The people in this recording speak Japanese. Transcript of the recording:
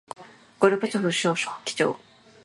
ゴルバチョフ書記長